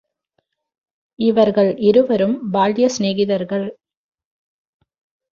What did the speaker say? இவர்கள் இருவரும் பால்ய சினேகிதர்கள்.